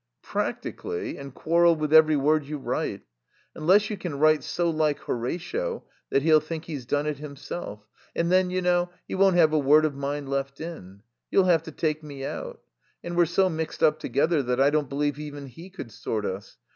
_" "Practically, and quarrel with every word you write. Unless you can write so like Horatio that he'll think he's done it himself. And then, you know, he won't have a word of mine left in. You'll have to take me out. And we're so mixed up together that I don't believe even he could sort us.